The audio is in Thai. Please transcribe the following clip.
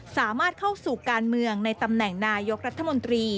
สามารถเข้าสู่การเมืองในตำแหน่งนายกรัฐมนตรี